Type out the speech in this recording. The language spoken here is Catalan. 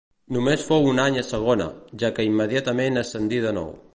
Només fou un any a segona, ja que immediatament ascendí de nou.